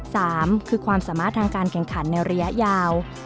สามคือความสามารถทางการแข่งขันในระยะยาว